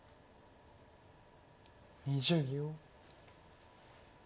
２０秒。